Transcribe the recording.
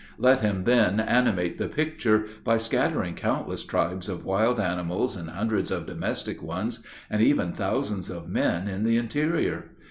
"Let him then animate the picture, by scattering countless tribes of wild animals, and hundreds of domestic ones, and even thousands of men in the interior.